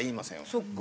そっか。